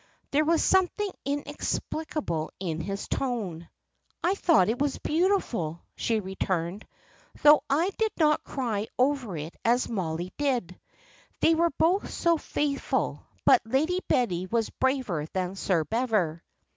There was something inexplicable in his tone. "I thought it beautiful," she returned; "though I did not cry over it as Mollie did. They were both so faithful; but Lady Betty was braver than Sir Bever."